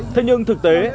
thế nhưng thực tế